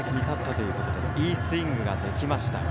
いいスイングができた。